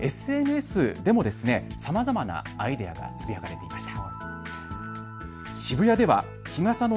ＳＮＳでもさまざまなアイデアがつぶやかれていました。